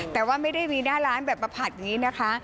แต่ว่าไม่ได้มีหน้าร้านแบบมาผัดอย่างนี้นะคะ